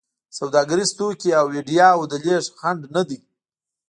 سوداګریز توکي او ایډیاوو د لېږد خنډ نه دی.